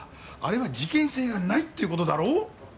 あれは事件性がないっていう事だろ？